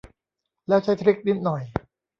แล้ว ใช้ทริค นิดหน่อย